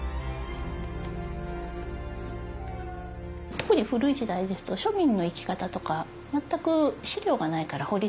特に古い時代ですと庶民の生き方とか全く資料がないから掘り下げられない。